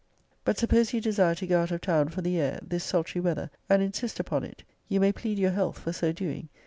But suppose you desire to go out of town for the air, this sultry weather, and insist upon it? You may plead your health for so doing.